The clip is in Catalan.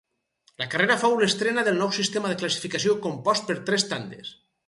La carrera fou l'estrena del nou sistema de classificació compost per tres tandes.